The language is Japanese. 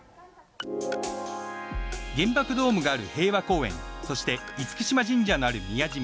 原爆ドームがある平和公園そして嚴島神社のある宮島。